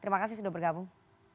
terima kasih sudah bergabung